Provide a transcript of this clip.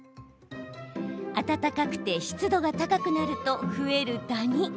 暖かくて湿度が高くなると増えるダニ。